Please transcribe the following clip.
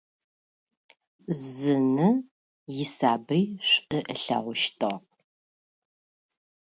Одна мать любила своего ребенка.